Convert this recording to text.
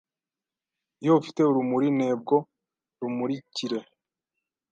Iyo ufite urumuri ntebwo rumurikire